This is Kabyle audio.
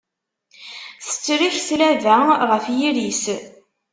Tetrek tlaba ɣef yiri-s.